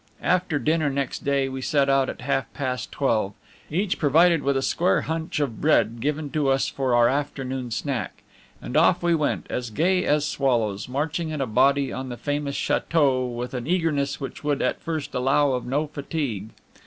After dinner next day, we set out at half past twelve, each provided with a square hunch of bread, given to us for our afternoon snack. And off we went, as gay as swallows, marching in a body on the famous chateau with an eagerness which would at first allow of no fatigue.